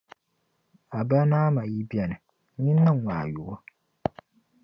A ba ni a ma yi be ni, nyin niŋim a yubu.